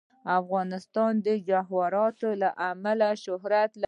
افغانستان د جواهرات له امله شهرت لري.